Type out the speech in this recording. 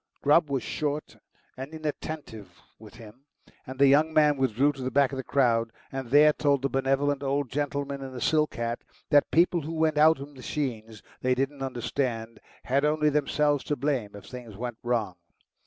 Grubb wass short and inattentive with him, and the young man withdrew to the back of the crowd, and there told the benevolent old gentleman in the silk hat that people who went out with machines they didn't understand had only themselves to blame if things went wrong.